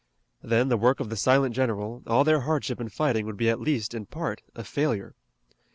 Then the work of the silent general, all their hardship and fighting would be at least in part a failure.